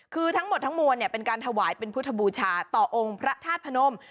คือทั้งหมดทั้งมวลเป็นการถวายเป็นพุทธบูชาต่อองค์พระธาตุพนม